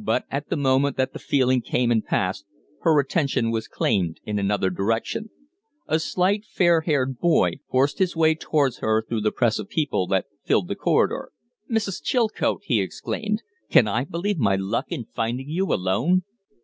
But, at the moment that the feeling came and passed, her attention was claimed in another direction. A slight, fair haired boy forced his way towards her through the press of people that filled the corridor. "Mrs. Chilcote!" he exclaimed. "Can I believe my luck in finding you alone?"